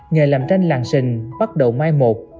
nghề làm tranh làng xịn bắt đầu mai một